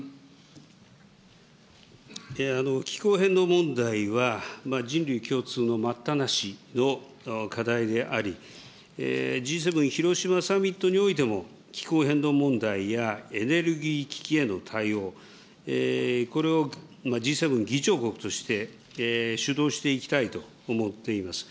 気候変動問題は、人類共通の待ったなしの課題であり、Ｇ７広島サミットにおいても、気候変動問題やエネルギー危機への対応、これをＧ７議長国として、主導していきたいと思っております。